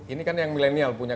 ini kan yang milenial punya